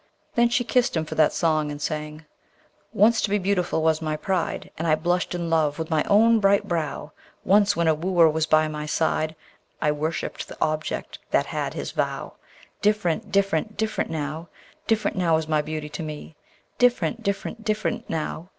Then she kissed him for that song, and sang: Once to be beautiful was my pride, And I blush'd in love with my own bright brow: Once, when a wooer was by my side, I worshipp'd the object that had his vow: Different, different, different now, Different now is my beauty to me: Different, different, different now!